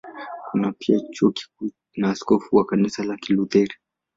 Kuna pia Chuo Kikuu na askofu wa Kanisa la Kilutheri.